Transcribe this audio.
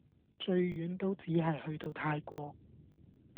最遠都只係去到泰國